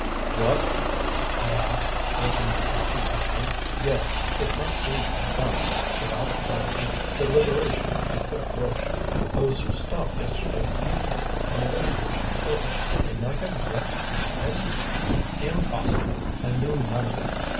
"What people?" I asked, drinking my coffee calmly, yet, it must be confessed, without quite the deliberation I could have wished. "Those who stopped yesterday evening on the way to the chateau. They might have recognised " "Impossible. I knew none of them."